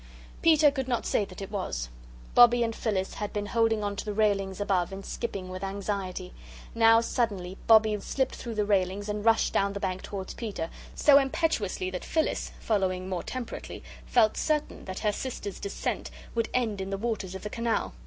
Peter could not say that it was. Bobbie and Phyllis had been holding on to the railings above and skipping with anxiety. Now suddenly Bobbie slipped through the railings and rushed down the bank towards Peter, so impetuously that Phyllis, following more temperately, felt certain that her sister's descent would end in the waters of the canal.